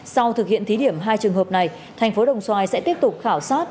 sau thực hiện thí điểm hai trường hợp này tp đồng xoài sẽ tiếp tục khảo sát